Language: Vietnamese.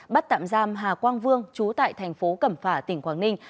bắt tạm giam hà quang vương chú tại tp cẩm phả tỉnh quảng ninh